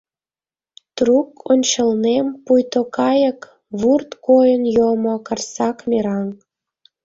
Трук ончылнем, — пуйто кайык, вурт койын йомо карсак мераҥ.